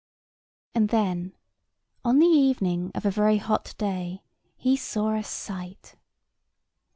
And then, on the evening of a very hot day, he saw a sight.